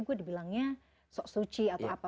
aduh nanti gue dibilangnya sok suci atau apa